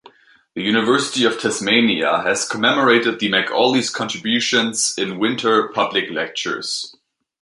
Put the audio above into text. The University of Tasmania has commemorated the McAulays' contributions in "Winter Public Lectures".